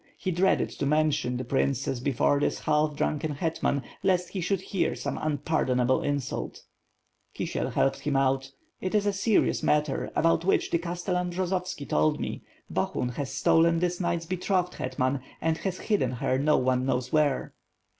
He dreaded to mention the princess before this half drunken hetman, lest he should hear some unpardonable insult. Kisiel helped him out. "It is a serious matter, about which the castellan Bjozovski told me. Bohun has stolen this knight's betrothed, hetman, and has hidden her no one knows where."